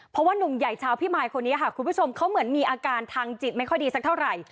เพราะว่านุ่มใหญ่ชาวพิมายคนนี้ค่ะคุณผู้ชมเขาเหมือนมีอาการทางจิตไม่ค่อยดีสักเท่าไหร่